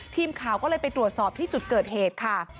ทีมข่าวก็เลยไปตรวจสอบที่จุดเกิดเหตุค่ะ